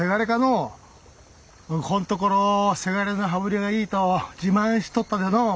ここんところ伜の羽振りがいいと自慢しとったでのう。